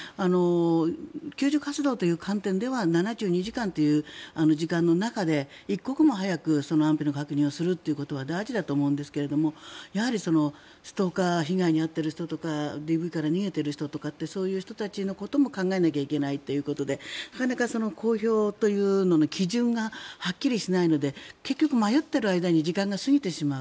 救助活動という観点では７２時間という時間の中で一刻も早く安否の確認をすることは大事だと思うんですがやはり、ストーカー被害に遭っている人とかＤＶから逃げてる人とかそういう人たちのことも考えなきゃいけないということでなかなか公表という基準がはっきりしないので結局、迷っている間に時間が過ぎてしまう。